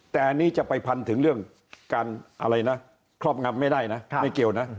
แต่อันนี้จะไปพันถึงเรื่องการอะไรนะครอบงำไม่ได้นะไม่เกี่ยวนะ